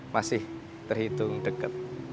masih terhitung dekat